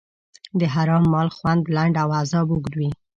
د حرام مال خوند لنډ او عذاب اوږد دی.